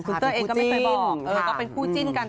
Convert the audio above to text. คุณเต้ยเองก็ไม่เคยบอกก็เป็นคู่จิ้นกัน